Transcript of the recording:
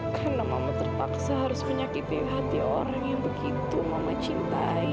karena mama tertaksa harus menyakiti hati orang yang begitu mama cintai